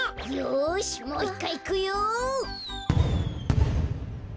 よしもう１かいいくよ！